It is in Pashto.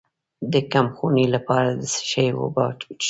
د کمخونۍ لپاره د څه شي اوبه وڅښم؟